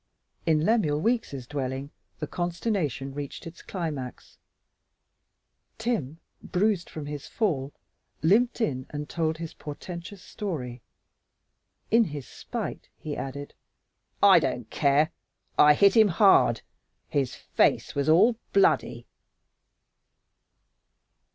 In Lemuel Weeks' dwelling the consternation reached its climax. Tim, bruised from his fall, limped in and told his portentous story. In his spite, he added, "I don't care, I hit him hard. His face was all bloody."